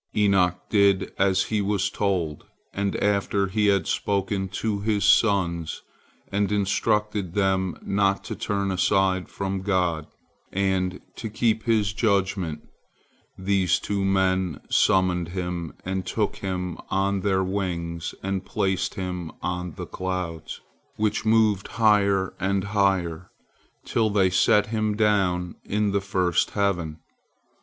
Enoch did as he was told, and after he had spoken to his sons, and instructed them not to turn aside from God, and to keep His judgment, these two men summoned him, and took him on their wings, and placed him on the clouds, which moved higher and higher, till they set him down in the first heaven.